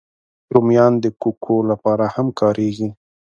رومیان د کوکو لپاره هم کارېږي